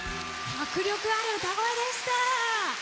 迫力ある歌声でした。